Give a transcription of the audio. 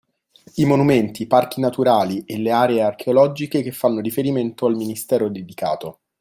I monumenti, parchi naturali e le aree archeologiche che fanno riferimento al Ministero dedicato